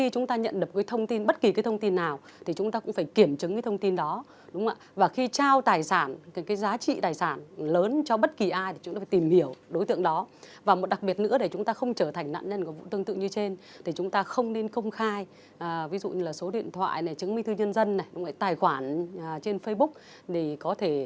chúng ta phải tìm hiểu đối tượng đó và một đặc biệt nữa để chúng ta không trở thành nạn nhân của vụ tương tự như trên thì chúng ta không nên công khai ví dụ như là số điện thoại chứng minh thư nhân dân tài khoản trên facebook